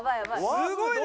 すごいね！